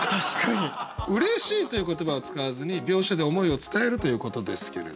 「嬉しい」という言葉を使わずに描写で思いを伝えるということですけれど。